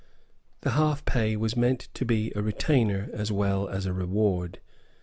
The half pay was meant to be a retainer as well as a reward.